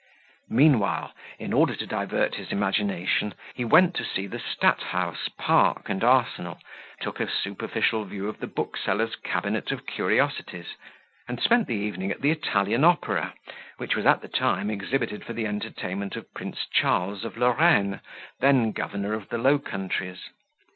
Meanwhile, in order to divert his imagination, he went to see the stadthouse, park, and arsenal, took a superficial view of the booksellers' cabinet of curiosities, and spent the evening at the Italian opera, which was at that time exhibited for the entertainment of Prince Charles of Lorraine, then governor of the Low Countries.